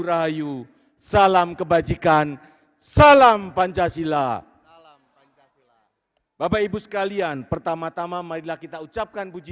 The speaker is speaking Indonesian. rayu salam kebajikan salam pancasila bapak ibu sekalian pertama tama marilah kita ucapkan puji